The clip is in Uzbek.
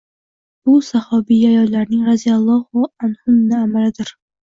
Bu sahobiya ayollarning roziyallohu anhunna amalidir